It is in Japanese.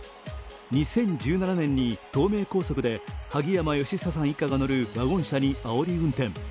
２０１７年に東名高速で萩山嘉久さん一家が乗るワゴン車にあおり運転。